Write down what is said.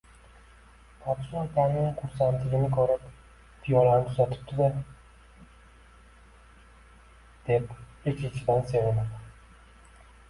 Podsho kalning xursandligini ko‘rib Piyolani tuzatibdi-da, deb ich-ichidan sevinib